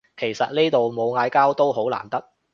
其實呢度冇嗌交都好難得